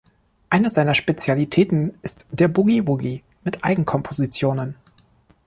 Eine seiner Spezialitäten ist der Boogie-Woogie mit Eigenkompositionen.